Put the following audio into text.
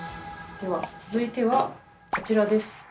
では続いてはこちらです。